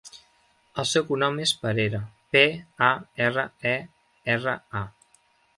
El seu cognom és Parera: pe, a, erra, e, erra, a.